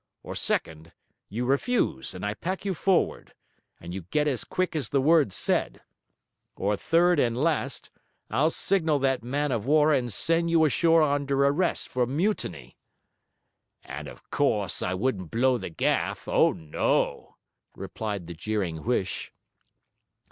Or second, you refuse, and I pack you forward and you get as quick as the word's said. Or, third and last, I'll signal that man of war and send you ashore under arrest for mutiny.' 'And, of course, I wouldn't blow the gaff? O no!' replied the jeering Huish.